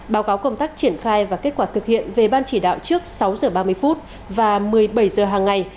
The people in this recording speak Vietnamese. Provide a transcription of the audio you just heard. báo cáo công tác triển khai và kết quả thực hiện về ban chỉ đạo trước sáu giờ ba mươi phút và một mươi bảy giờ hàng ngày